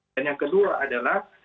dan yang kedua adalah